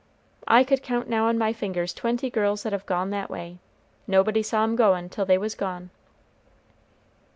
I could count now on my fingers twenty girls that have gone that way. Nobody saw 'em goin' till they was gone."